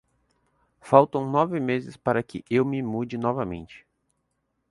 Faltam nove meses para que eu me mude novamente.